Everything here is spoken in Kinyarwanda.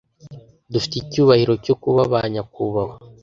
Dufite icyubahiro cyo kuba banyakubahwa